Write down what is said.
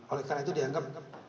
oleh karena itu dianggap